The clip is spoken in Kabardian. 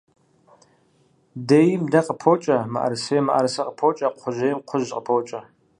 Дейм дэ къыпокӏэ, мыӏэрысейм мыӏэрысэ къыпокӏэ, кхъужьейм кхъужь къыпокӏэ.